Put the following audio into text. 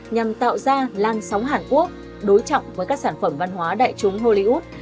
nhằm tạo ra lan sóng hàn quốc đối trọng với các sản phẩm văn hóa đại chúng hollywood